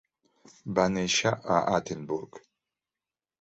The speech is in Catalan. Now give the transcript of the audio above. Va néixer a Altenburg.